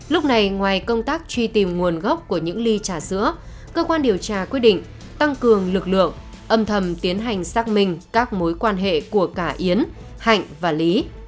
lúc này ngoài công tác truy tìm nguồn gốc của những ly trà sữa cơ quan điều tra quyết định tăng cường lực lượng âm thầm tiến hành xác minh các mối quan hệ của cả yến hạnh và lý